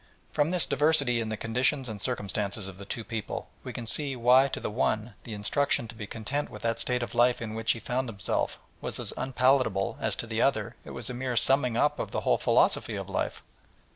From this diversity in the conditions and circumstances of the two people, we can see why to the one the instruction to be content with that state of life in which he found himself was as unpalatable as to the other, it was a mere summing up of the whole philosophy of life.